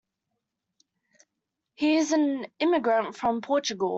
He's an immigrant from Portugal.